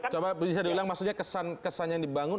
coba bisa diulang maksudnya kesan kesan yang dibangun